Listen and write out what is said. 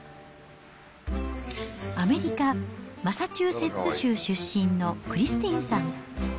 アメリカ・マサチューセッツ州出身のクリスティンさん。